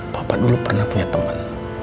papa dulu pernah punya teman